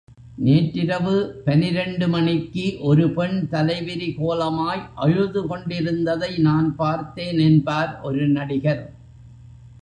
நேற்றிரவு பனிரண்டு மணிக்கு ஒருபெண் தலைவிரிகோலமாய் அழுது கொண்டிருந்ததை நான் பார்த்தேன் என்பார் ஒரு நடிகர்.